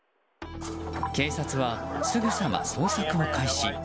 警察は、すぐさま捜索を開始。